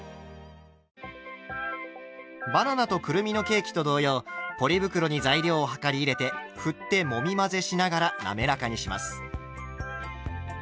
バナナとくるみのケーキと同様ポリ袋に材料を量り入れてふってもみ混ぜしながら滑らかにします。